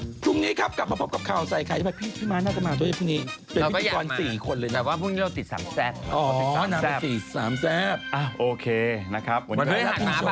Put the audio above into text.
พรุ่งนี้ครับกลับขอบคลับข่าวใส่ใครได้ไป